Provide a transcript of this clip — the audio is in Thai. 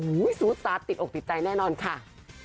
โอ้โหสูตรซาสติดอกติดใจแน่นอนค่ะ